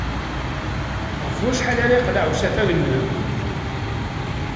Ɣef wacḥal ara yeqleɛ usafag-nnem?